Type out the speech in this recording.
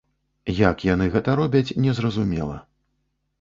Як яны гэта робяць, не зразумела.